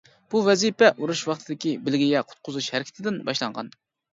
بۇ ۋەزىپە ئۇرۇش ۋاقتىدىكى بېلگىيە قۇتقۇزۇش ھەرىكىتىدىن باشلانغان.